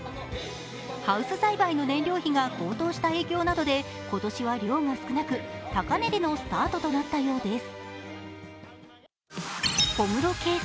ハウス栽培の燃料費が高騰した影響などで今年は量が少なく高値でのスタートとなったようです。